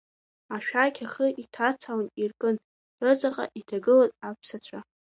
Ашәақь ахы иҭацалан иркын, рыҵаҟа иҭагылаз аԥсацәа.